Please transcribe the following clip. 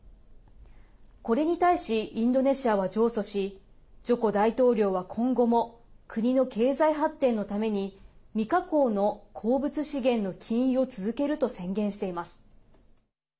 これに対しインドネシアは上訴しジョコ大統領は今後も国の経済発展のために未加工の鉱物資源の禁輸を続けると宣言しています。